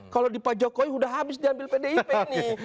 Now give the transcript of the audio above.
kalau di pak jokowi sudah habis diambil pdip nih